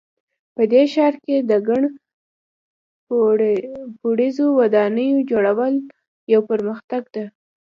په دې ښار کې د ګڼ پوړیزو ودانیو جوړول یو پرمختګ ده